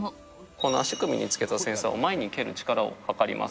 この足首につけたセンサー、前に蹴る力を測ります。